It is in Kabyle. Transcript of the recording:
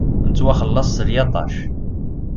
Nettwaxellaṣ s lyaṭac.